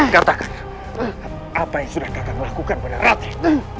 katakan apa yang sudah kakak lakukan pada raten